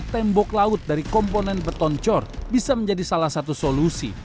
dan berupa tembok laut dari komponen beton cor bisa menjadi salah satu solusi